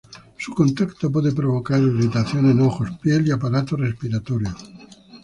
Su contacto puede provocar irritación en ojos, piel y aparato respiratorio.